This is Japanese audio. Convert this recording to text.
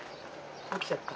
起ちゃった？